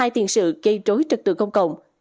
hai tiền sự gây rối trật tượng công cộng